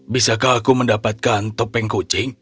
bisakah aku mendapatkan topeng kucing